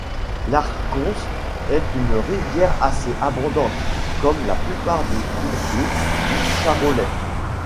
L'Arconce est une rivière assez abondante, comme la plupart des cours d'eau du Charolais.